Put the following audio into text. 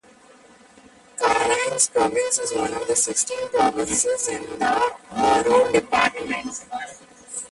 "Carangas" province is one of sixteen provinces in the Oruro Department.